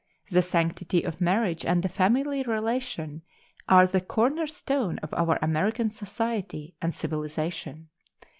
The sanctity of marriage and the family relation are the corner stone of our American society and civilization.